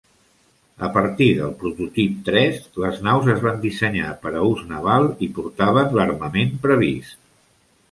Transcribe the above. A partir del prototip tres, les naus es van dissenyar per a ús naval i portaven l'armament previst.